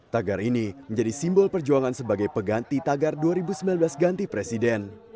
tagar ini menjadi simbol perjuangan sebagai peganti tagar dua ribu sembilan belas ganti presiden